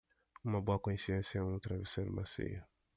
Uma boa consciência é um travesseiro macio.